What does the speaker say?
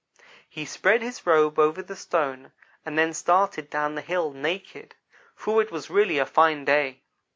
"He spread his robe over the stone, and then started down the hill, naked, for it was really a fine day.